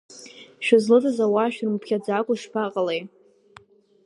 Шәызлыҵыз ауаа шәырмыԥхьаӡакәа ишԥаҟалеи?